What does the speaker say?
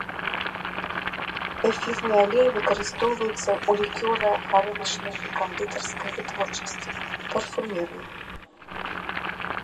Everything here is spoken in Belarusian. Эфірны алей выкарыстоўваецца у лікёра-гарэлачнай і кандытарскай вытворчасці, парфумерыі.